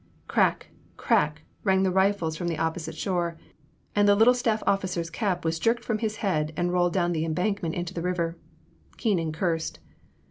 Crack ! Crack ! rang the rifles from the oppo site shore, and the little staff officer's cap was jerked from his head and rolled down the em bankment into the river. Keenan cursed.